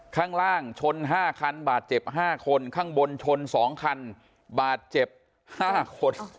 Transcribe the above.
ข้างล่างชน๕คันบาดเจ็บ๕คนข้างบนชน๒คันบาดเจ็บ๕คน